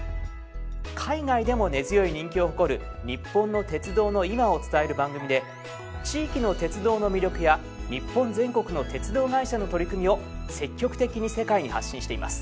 海外でも根強い人気を誇る日本の鉄道の今を伝える番組で地域の鉄道の魅力や日本全国の鉄道会社の取り組みを積極的に世界に発信しています。